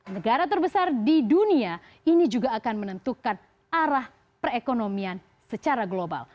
negara terbesar di dunia ini juga akan menentukan arah perekonomian secara global